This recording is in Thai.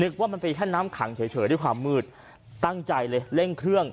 ว่ามันเป็นแค่น้ำขังเฉยด้วยความมืดตั้งใจเลยเร่งเครื่อง